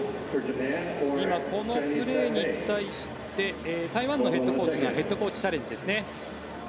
今このプレーに対して台湾のヘッドコーチがヘッドコーチチャレンジですね。